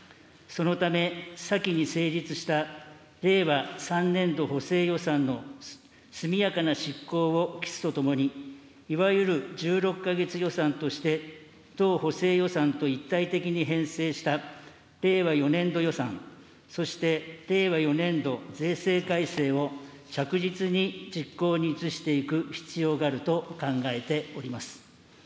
そのため、先に成立した令和３年度補正予算の速やかな執行を期すとともに、いわゆる１６か月予算として同補正予算と一体的に編成した令和４年度予算、そして令和４年度税制改正を着実に実行に移していく必要があると考えております。